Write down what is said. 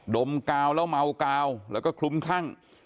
ดมกาวแล้วเมากาวแล้วก็คลุ้มคลั่ง